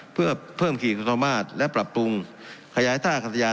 เพื่อเพิ่มคลีกโทรมาตและปรับปรุงขยายทราบกันทรยา